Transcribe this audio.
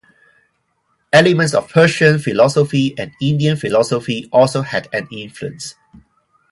Elements of Persian philosophy and Indian philosophy also had an influence.